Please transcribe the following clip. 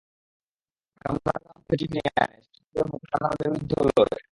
কামরাঙা মুখে রুচি ফিরিয়ে আনে, সেই সঙ্গে মুখের নানা রোগের বিরুদ্ধেও লড়ে।